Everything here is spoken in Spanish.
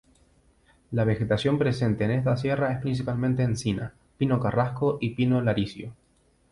La vegetación presente en esta sierra es principalmente encina, pino carrasco y pino laricio.